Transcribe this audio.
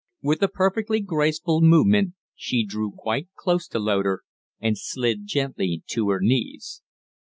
With a perfectly graceful movement she drew quite close to Loder and slid gently to her knees.